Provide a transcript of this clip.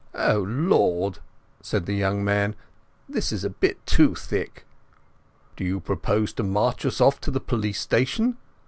"O Lord," said the young man. "This is a bit too thick!" "Do you propose to march us off to the police station?"